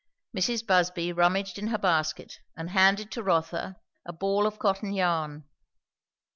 Mrs. Busby rummaged in her basket and handed to Rotha a ball of cotton yarn.